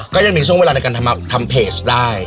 ก็ยังมีช่วงเวลาในการทำเพจได้